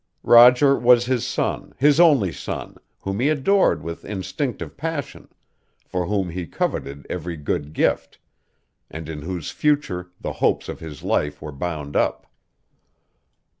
Roger was his son, his only son, whom he adored with instinctive passion; for whom he coveted every good gift; and in whose future the hopes of his life were bound up.